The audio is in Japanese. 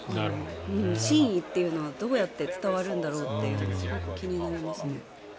真意というのはどうやって伝わるんだろうとすごく気になりますね。